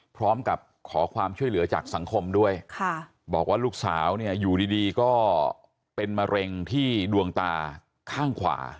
พร้อมกับขอความช่วยเหลือจากสังคมด้วยบอกว่าลูกสาวเนี่ยอยู่ดีก็เป็นมะเร็งที่ดวงตาข้างขวา